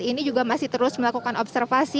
ini juga masih terus melakukan observasi